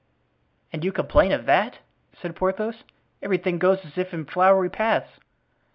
"And you complain of that!" said Porthos. "Everything goes as if in flowery paths."